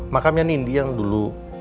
makam yang indi yang dulu